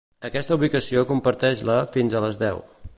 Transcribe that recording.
Aquesta ubicació comparteix-la fins a les deu.